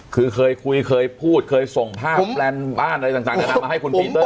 คือเคยคุยเคยพูดเคยส่งภาพแลนบ้านอะไรต่างนานามาให้คุณปีเตอร์